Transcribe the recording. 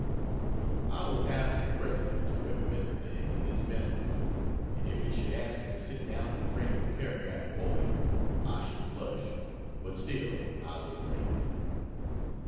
I will ask the President to recommend the thing in his message (and if he should ask me to sit down and frame the paragraph for him I should blush but still I would frame it.)